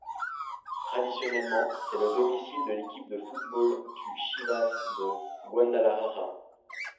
Traditionnellement, c'est le domicile de l'équipe de football du Chivas de Guadalajara.